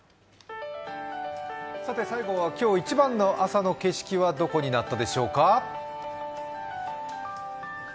最後は今日一番の朝の景色はどこになったでしょうか。